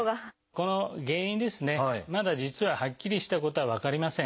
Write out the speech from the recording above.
この原因ですねまだ実ははっきりしたことは分かりません。